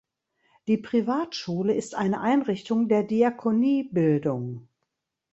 Die Privatschule ist eine Einrichtung der Diakonie Bildung.